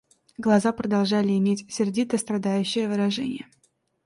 Глаза продолжали иметь сердито-страдающее выражение.